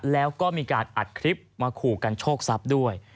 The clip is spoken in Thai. แล้วก็มีการอัดคลิปมาขู่กันโชคทรัพย์ด้วย